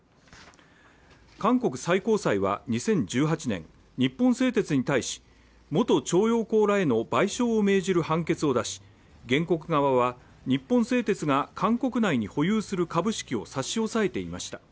韓国最高裁は２０１８年、日本製鉄に対し、元徴用工らへの賠償を命じる判決を出し、原告側は日本製鉄が韓国内に保有する株式を差し押さえていました。